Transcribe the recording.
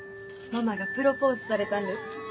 ママがプロポーズされたんです。